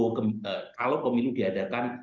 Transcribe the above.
kalau pemilih diadakan pak prabowo akan diadakan